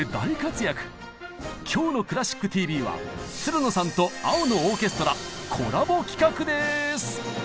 今日の「クラシックＴＶ」はつるのさんと「青のオーケストラ」コラボ企画です！